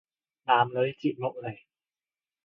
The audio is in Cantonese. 男女節目嚟